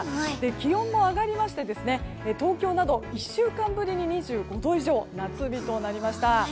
気温も上がりまして東京など１週間ぶりに２５度以上の夏日となりました。